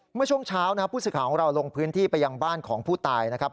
เมื่อช่วงเช้านะครับผู้สื่อข่าวของเราลงพื้นที่ไปยังบ้านของผู้ตายนะครับ